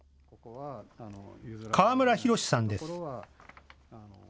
河村宏さんです。